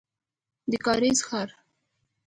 د کارېز ښار.